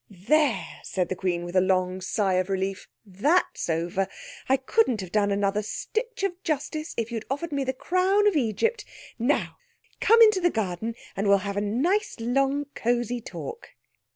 "There!" said the Queen, with a long sigh of relief. "That's over! I couldn't have done another stitch of justice if you'd offered me the crown of Egypt! Now come into the garden, and we'll have a nice, long, cosy talk."